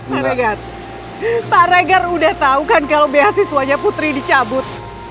pak regar pak regar udah tahu kan kalau beasiswanya putri dicabut